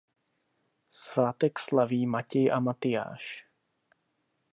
Svátek slaví Matěj a Matyáš.